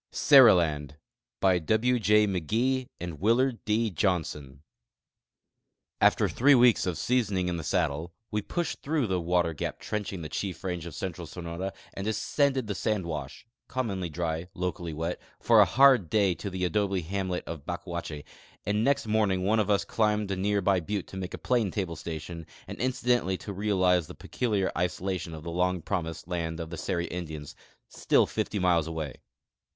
4 SERILAND By \V J McGee arid Willard D. Johnson After tliree weeks of seasoning in the saddle, we pushed through the water gap trenching the chief range of central Sonora and descended the sand wash (commonly dry, locally wet) for a hard day to the adobe hamlet of Bacuache, and next morning one of us climbed a near by butte to make a planetable station and inci dentally to realize the peculiar isolation of the long promised land of the Seri Indians, still fifty miles away.